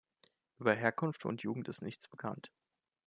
Über Herkunft und Jugend ist nichts bekannt.